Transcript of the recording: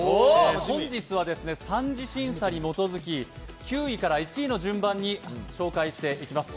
本日は３次審査に基づき９位から１位の順番にご紹介します。